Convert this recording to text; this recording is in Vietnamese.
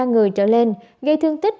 ba người trở lên gây thương tích